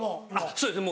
そうですね